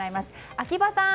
秋葉さん